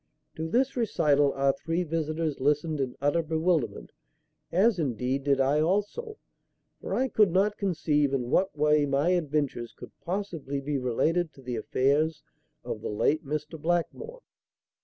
To this recital our three visitors listened in utter bewilderment, as, indeed did I also; for I could not conceive in what way my adventures could possibly be related to the affairs of the late Mr. Blackmore.